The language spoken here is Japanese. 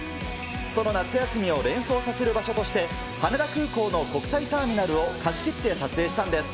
その夏休みを連想させる場所として、羽田空港の国際ターミナルを貸し切って撮影したんです。